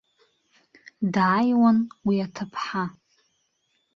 Дааиуан уи аҭыԥҳа.